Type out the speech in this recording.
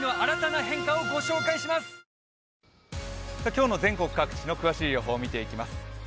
今日の全国各地の詳しい予報を見ていきます。